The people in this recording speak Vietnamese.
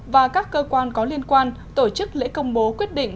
và các cơ quan có liên quan tổ chức lễ công bố quyết định